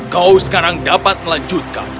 kau sekarang dapat melanjutkan